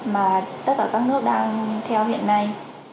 mà tất cả các nước đang theo hiện nay